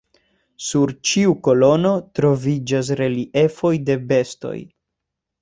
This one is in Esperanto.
Sur ĉiu kolono troviĝas reliefoj de bestoj.